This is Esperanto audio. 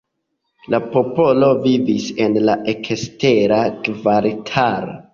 La popolo vivis en la ekstera kvartalo.